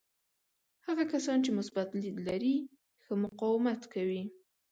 هغه کسان چې مثبت لید لري ښه مقاومت کوي.